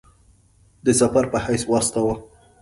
د سفیر په حیث واستاوه.